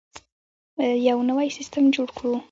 یو نوی سیستم جوړ کړو.